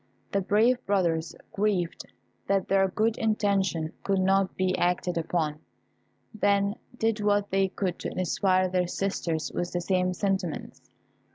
The brave brothers grieved that their good intentions could not be acted upon, then did what they could to inspire their sisters with the same sentiments.